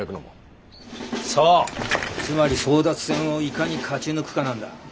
そうつまり争奪戦をいかに勝ち抜くかなんだ。